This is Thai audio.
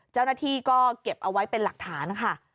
เจ้าหน้าที่ก็เก็บเอาไว้เป็นหลักฐานนะคะ